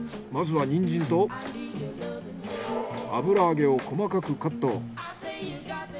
まずはニンジンと油揚げを細かくカット。